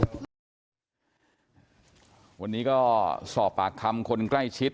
นางนาคะนี่คือยายน้องจีน่าคุณยายถ้าแท้เลย